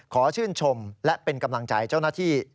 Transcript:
ขอชื่นชมและเป็นกำลังใจเจ้าหน้าที่